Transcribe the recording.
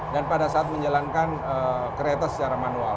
dan pada saat menjalankan kereta secara manual